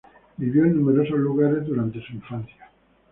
Vivió en numerosos lugares durante su infancia.